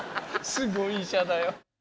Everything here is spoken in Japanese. すごい医者だよ。